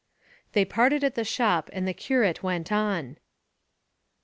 They parted at the shop, and the curate went on.